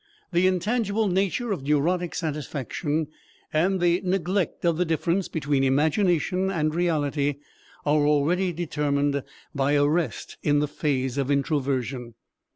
The intangible nature of neurotic satisfaction and the neglect of the difference between imagination and reality are already determined by arrest in the phase of introversion.